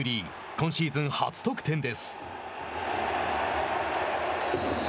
今シーズン初得点です。